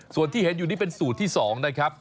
ส่วนที่เห็นอยู่นี่เป็นสูตรที่๒นะครับ